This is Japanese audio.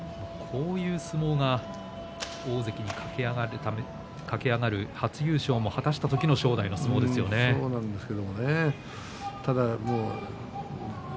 こういう相撲は大関に駆け上がる初優勝を果たした時の相撲なんですが。